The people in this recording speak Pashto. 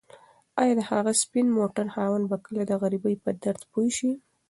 ایا د هغه سپین موټر خاوند به کله د غریبۍ په درد پوه شي؟